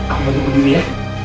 aku nunggu diri ya